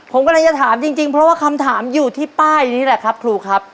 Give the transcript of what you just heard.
ผมกำลังจะถามจริงเพราะว่าคำถามอยู่ที่ป้ายนี้แหละครับครูครับ